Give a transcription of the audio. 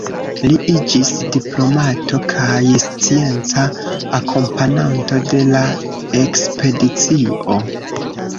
Li iĝis diplomato kaj scienca akompananto de la ekspedicio.